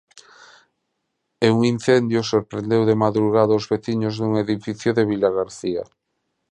E un incendio sorprendeu de madrugada os veciños dun edificio de Vilagarcía.